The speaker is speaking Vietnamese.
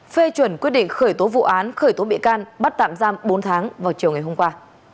phê chuẩn quyết định khởi tố vụ án khởi tố bị can bắt tạm giam bốn tháng vào chiều ngày hôm qua